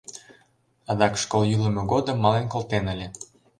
Адак школ йӱлымӧ годым мален колтен ыле.